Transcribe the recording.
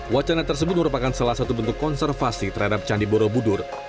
wacana tersebut merupakan salah satu bentuk konservasi terhadap candi borobudur